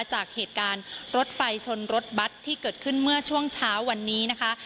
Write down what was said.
จากเหตุการณ์รถไฟชนรถบัตรที่เกิดขึ้นเมื่อช่วงเช้าวันนี้นะคะ